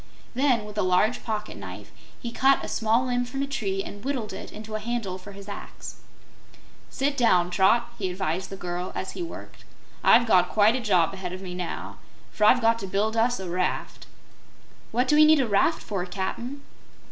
Then, with a large pocket knife, he cut a small limb from a tree and whittled it into a handle for his axe. "Sit down, Trot," he advised the girl, as he worked. "I've got quite a job ahead of me now, for I've got to build us a raft." "What do we need a raft for, Cap'n?"